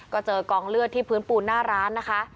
ก็เจอกองเลือดที่พื้นปูนหน้าร้านนะคะ